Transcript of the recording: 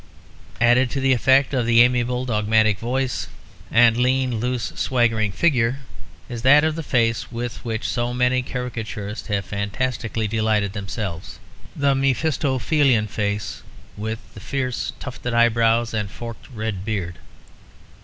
Added to the effect of the amiable dogmatic voice and lean, loose swaggering figure, is that of the face with which so many caricaturists have fantastically delighted themselves, the Mephistophelean face with the fierce tufted eyebrows and forked red beard.